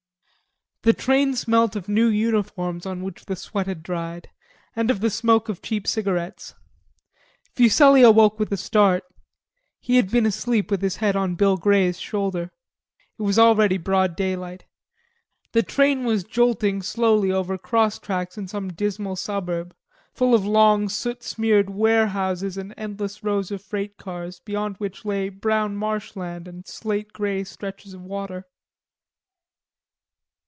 The train smelt of new uniforms on which the sweat had dried, and of the smoke of cheap cigarettes. Fuselli awoke with a start. He had been asleep with his head on Bill Grey's shoulder. It was already broad daylight. The train was jolting slowly over cross tracks in some dismal suburb, full of long soot smeared warehouses and endless rows of freight cars, beyond which lay brown marshland and slate grey stretches of water.